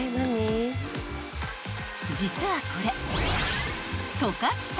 ［実はこれ］